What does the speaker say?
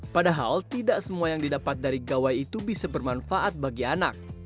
padahal tidak semua yang didapat dari gawai itu bisa bermanfaat bagi anak